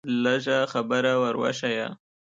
لږه خبره ور وښیه.